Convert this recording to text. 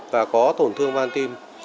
và có tổn thương văn tim